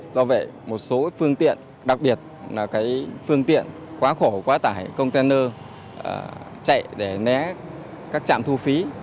do vậy một số phương tiện đặc biệt là phương tiện quá khổ quá tải container chạy để né các trạm thu phí